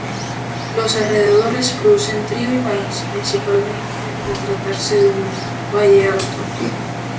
Los alrededores producen trigo y maíz, principalmente, al tratarse de un valle alto.